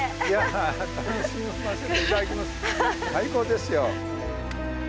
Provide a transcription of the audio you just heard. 最高ですよ。